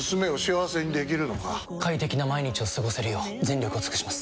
快適な毎日を過ごせるよう全力を尽くします！